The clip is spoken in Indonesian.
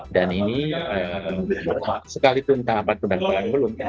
dan ini sekalipun tahapan penyelenggara belum